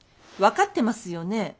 分かってますよね